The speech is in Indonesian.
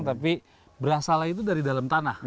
tapi berasalah itu dari dalam tanah pak